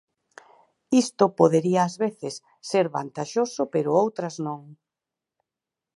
Isto podería ás veces ser vantaxoso pero outras non.